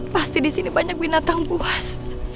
pasti disini banyak binatang buas